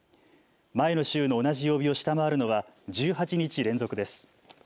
前の週の同じ曜日を下回るのは１８日連続です。